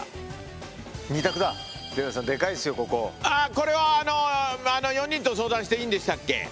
あこれは４人と相談していいんでしたっけ。